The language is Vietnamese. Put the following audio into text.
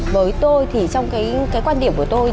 với tôi thì trong cái quan điểm của tôi